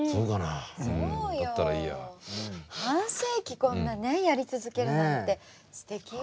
半世紀こんなねやり続けるなんてすてきよ。